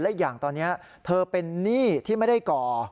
และอีกอย่างตอนนี้เธอเป็นหนี้ที่ไม่ได้ก่อ